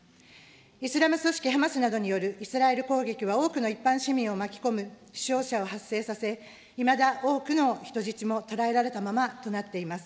イスラム組織ハマスなどによるイスラエル攻撃は多くの一般市民を巻き込む死傷者を発生させ、いまだ多くの人質もとらえられたままとなっています。